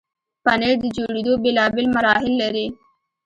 پنېر د جوړېدو بیلابیل مراحل لري.